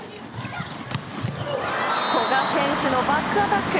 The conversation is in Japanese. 古賀選手のバックアタック！